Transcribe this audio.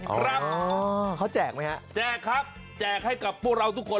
ครับเขาแจกไหมฮะแจกครับแจกให้กับพวกเราทุกคน